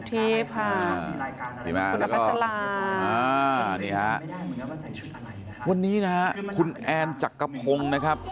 พี่ภูยิพรทิพย์คุณละภาษลาวันนี้คุณแอนจักรพงศ์นะครับ